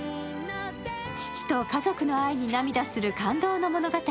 父と家族の愛に涙する感動の物語